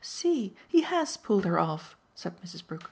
"See he HAS pulled her off!" said Mrs. Brook.